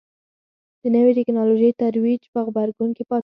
د نوې ټکنالوژۍ ترویج په غبرګون کې پاڅون.